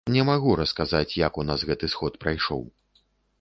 Не магу расказаць, як у нас гэты сход прайшоў.